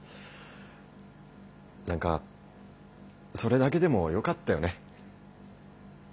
何かそれだけでもよかったよね。